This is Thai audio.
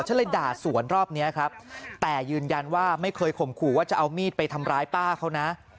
เลยด่าสวนรอบนี้ครับแต่ยืนยันว่าไม่เคยข่มขู่ว่าจะเอามีดไปทำร้ายป้าเขานะ